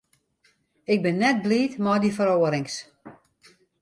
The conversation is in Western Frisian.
Ik bin net bliid mei dy feroarings.